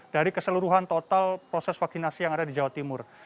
dari keseluruhan total proses vaksinasi yang ada di jawa timur